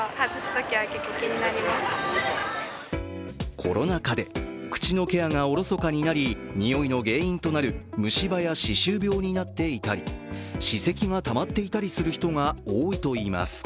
コロナ禍で口のケアがおろそかになり匂いの原因となる虫歯や歯周病になっていたり歯石がたまっていたりする人が多いといいます。